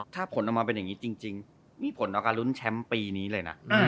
ถ้าผลออกมาเป็นอย่างนี้จริงมีผลต่อการลุ้นแชมป์ปีนี้เลยนะ